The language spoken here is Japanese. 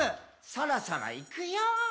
「そろそろいくよー」